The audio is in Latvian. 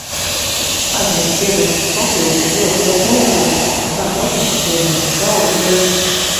Aizmirsu piebilst, ka papildus ir ļoti liels nogurums, zems asinsspiediens, galva griežas.